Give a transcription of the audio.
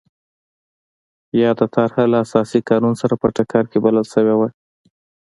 یاده طرحه له اساسي قانون سره په ټکر کې بلل شوې وه.